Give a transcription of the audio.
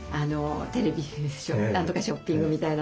テレビなんとかショッピングみたいなので。